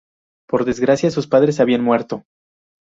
Por desgracia sus padres habían muerto.